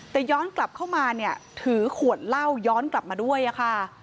แต่ย้อนกลับเข้ามาเนี่ยถือขวดเหล้าย้อนกลับมาด้วยค่ะ